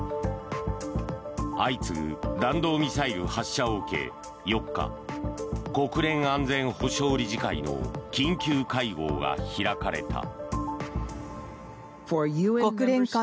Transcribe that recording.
相次ぐ弾道ミサイル発射を受け４日国連安全保障理事会の緊急会合が開かれた。